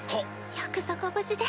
・よくぞご無事で。